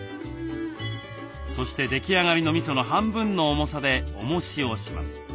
そして出来上がりのみその半分の重さでおもしをします。